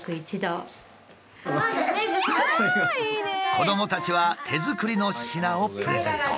子どもたちは手作りの品をプレゼント。